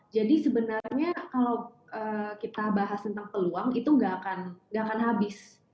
jadi sebenarnya kalau kita bahas tentang peluang itu gak akan habis